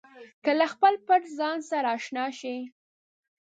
که له خپل پټ ځان سره اشنا شئ.